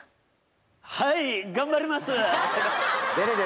はい、頑張りますー。